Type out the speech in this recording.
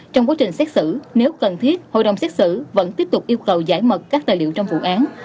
trong quá trình xét xử nếu cần thiết hội đồng xét xử vẫn tiếp tục yêu cầu giải mật các tài liệu trong vụ án